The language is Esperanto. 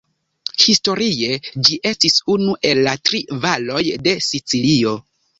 Historie, ĝi estis unu el la tri valoj de Sicilio.